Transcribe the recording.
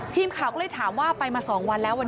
ทีมข่าวก็เลยถามว่าไปมา๒วันแล้ว